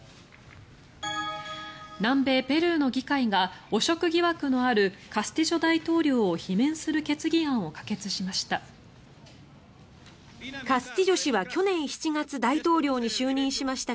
南米ペルーの議会が汚職疑惑のあるカスティジョ大統領を罷免する決議案を可決しました。